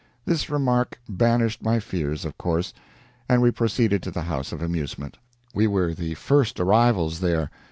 This remark banished my fears, of course, and we proceeded to the house of amusement. We were the first arrivals there.